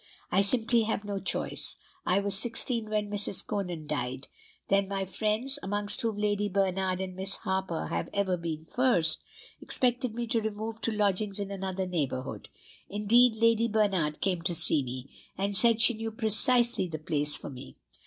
I simply have no choice. I was sixteen when Mrs. Conan died. Then my friends, amongst whom Lady Bernard and Miss Harper have ever been first, expected me to remove to lodgings in another neighborhood. Indeed, Lady Bernard came to see me, and said she knew precisely the place for me.